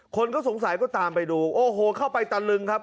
คนก็สงสัยก็ตามไปดูโอ้โหเข้าไปตะลึงครับ